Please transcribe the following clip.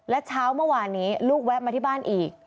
และเช้าเมื่อวานนี้ลูกแวะมาที่บ้านอีก